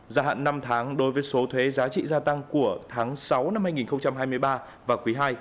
gia hạn năm tháng đối với số thuế giá trị gia tăng của tháng sáu năm hai nghìn hai mươi ba và quý ii